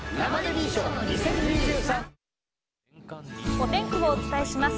お天気をお伝えします。